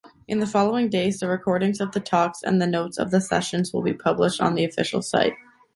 In the following days the recordings of the talks and the notes of the sessions will be published on the official site.